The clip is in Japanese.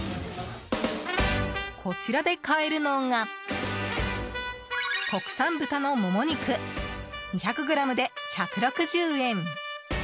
こちらで買えるのが国産豚のもも肉２００ｇで１６０円。